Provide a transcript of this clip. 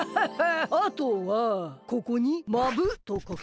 あとはここに「まぶ」とかけば。